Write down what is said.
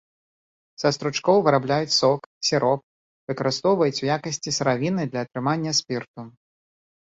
Са стручкоў вырабляюць сок, сіроп, выкарыстоўваюць у якасці сыравіны для атрымання спірту.